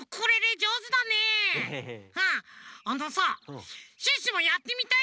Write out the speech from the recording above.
あのさシュッシュもやってみたいんだけど。